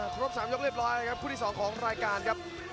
ครบ๓ยกเรียบร้อยนะครับคู่ที่๒ของรายการครับ